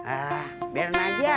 ah biarin aja